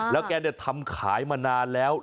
แล้วแกทำขายมานานแล้ว